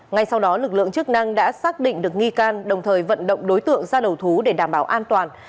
ngay sau đó lực lượng chức năng đã xác định được nghi can đồng thời vận động đối tượng ra đầu thú để đảm bảo an toàn